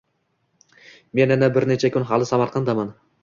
Men yana bir necha kun hali Samarqanddaman.